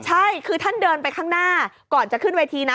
ใช่คือท่านเดินไปข้างหน้าก่อนจะขึ้นเวทีนะ